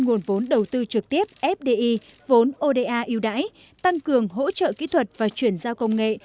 nguồn vốn đầu tư trực tiếp fdi vốn oda yêu đãi tăng cường hỗ trợ kỹ thuật và chuyển giao công nghệ